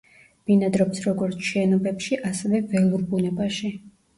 ბინადრობს როგორც შენობებში, ასევე ველურ ბუნებაში.